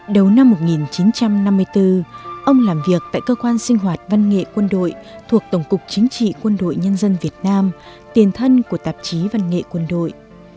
đầu năm một nghìn chín trăm năm mươi bốn ông làm việc tại cơ quan sinh hoạt văn nghệ quân đội thuộc tổng cục chính trị quân đội nhân dân việt nam tiền thân của tạp chí văn nghệ quân đội